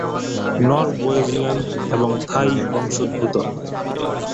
Norwegian এবং Thai বংশোদ্ভূত।